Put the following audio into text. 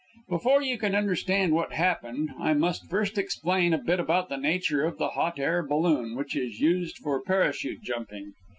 Before you can understand what happened, I must first explain a bit about the nature of the hot air balloon which is used for parachute jumping.